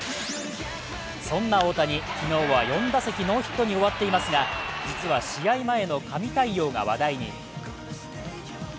そんな大谷、昨日は４打席ノーヒットに終わっていますが実は試合前の神対応が話題に。